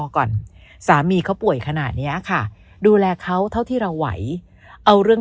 ก่อนสามีเขาป่วยขนาดเนี้ยค่ะดูแลเขาเท่าที่เราไหวเอาเรื่อง